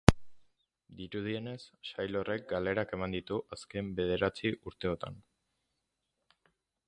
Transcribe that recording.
Dirudienez, sail horrek galerak eman ditu azken bederatzi urteotan.